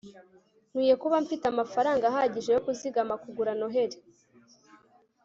nkwiye kuba mfite amafaranga ahagije yo kuzigama kugura noheri